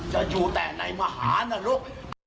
จะอยู่แต่ในมหานรุก